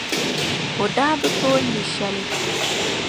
O daa bi tooi nya shɛli.